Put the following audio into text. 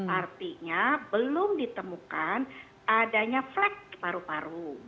artinya belum ditemukan adanya flag paru paru